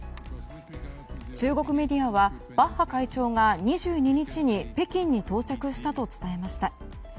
中国メディアはバッハ会長が２２日に北京に到着したと伝えました。